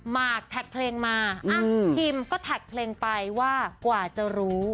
มากแท็กเพลงมาพิมก็แท็กเพลงไปว่ากว่าจะรู้